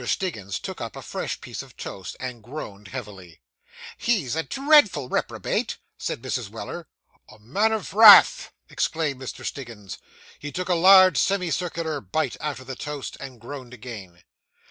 Stiggins took up a fresh piece of toast, and groaned heavily. 'He is a dreadful reprobate,' said Mrs. Weller. 'A man of wrath!' exclaimed Mr. Stiggins. He took a large semi circular bite out of the toast, and groaned again.